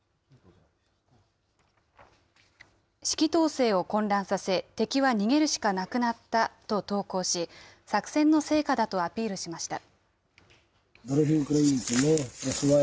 指揮統制を混乱させ、敵は逃げるしかなくなったと投稿し、作戦の成果だとアピールしました。